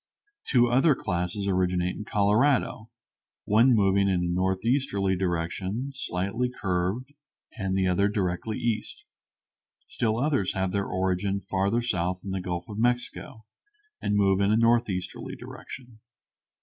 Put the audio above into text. Two other classes originate in Colorado, one moving in a northeasterly direction slightly curved, and the other directly east. Still others have their origin farther south in the Gulf of Mexico, and move in a northeasterly direction.